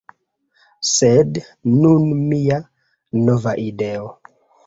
Sed, nun mia nova ideo